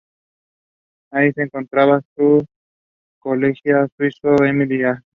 Allí se encontraba su colega suizo Émile Hassler.